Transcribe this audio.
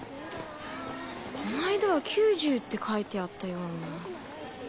この間は９０って書いてあったような。